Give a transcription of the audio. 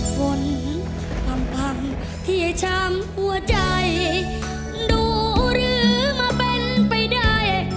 ฝนพังที่ช้ำหัวใจดูหรือมาเป็นไปได้